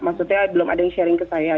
maksudnya belum ada yang sharing ke saya